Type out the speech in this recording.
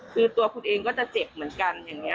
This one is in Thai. คือตัวคุณเองก็จะเจ็บเหมือนกันอย่างนี้